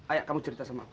ayah kamu cerita sama aku